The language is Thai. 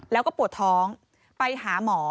แล้วก็ปวดท้องไปหาหมอ